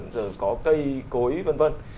rồi có cây cối vân vân